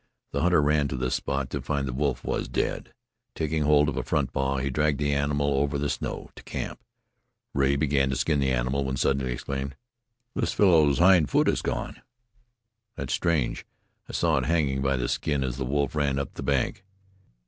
The hunter ran to the spot to find the wolf was dead. Taking hold of a front paw, he dragged the animal over the snow to camp. Rea began to skin the animal, when suddenly he exclaimed: "This fellow's hind foot is gone!" "That's strange. I saw it hanging by the skin as the wolf ran up the bank.